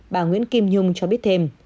bà nguyễn kim nhung cho biết thêm